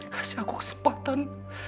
kasih aku kesempatan